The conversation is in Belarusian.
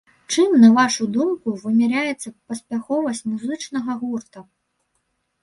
Чым, на вашу думку, вымяраецца паспяховасць музычнага гурта?